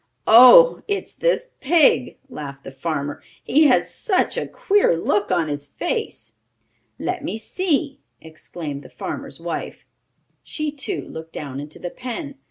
"Oh, it's this pig," laughed the farmer. "He has such a queer look on his face!" "Let me see!" exclaimed the farmer's wife. She, too, looked down into the pen.